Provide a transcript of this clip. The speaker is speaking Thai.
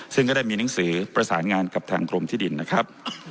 ซึ่งก็ได้มีหนังสือประสานงานกับทางกรมที่ดินนะครับ